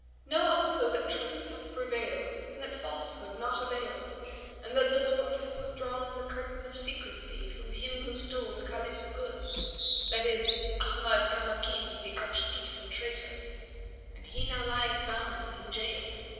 Know also that Truth hath prevailed and that Falsehood naught availed; and that the Lord hath withdrawn the curtain of secrecy from him who stole the Caliph's goods, that is, Ahmad Kamakim the arch thief and traitor; and he now lieth bound and in jail.